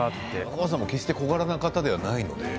中川さんも決して小柄な方ではないので。